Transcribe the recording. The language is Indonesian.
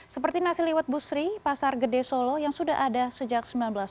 seperti nasi liwet busri pasar gede solo yang sudah ada sejak seribu sembilan ratus sembilan puluh